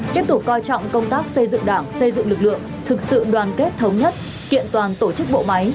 tiếp tục coi trọng công tác xây dựng đảng xây dựng lực lượng thực sự đoàn kết thống nhất kiện toàn tổ chức bộ máy